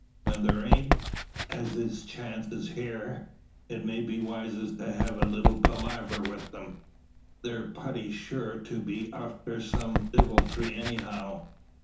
When thar aint, as it chances hyar, it may be wisest to hev a leetle palaver wi' them. They're putty sure to a been arter some diviltry anyhow.